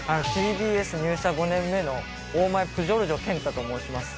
ＴＢＳ入社５年目の大前プジョルジョ健太と申します